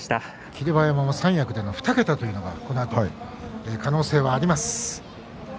霧馬山も三役での２桁というのはこのあと可能性があります。